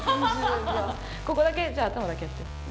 ここだけじゃあ頭だけやって。